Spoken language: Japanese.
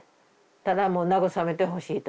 ただもう慰めてほしいと。